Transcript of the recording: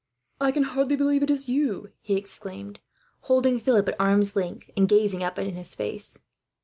"I can hardly believe it is you," he exclaimed, holding Philip at arm's length and gazing up in his face.